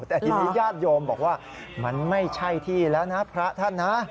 แต่ทีนี้ญาติโยมบอกว่ามันไม่ใช่ที่แล้วนะพระท่านนะ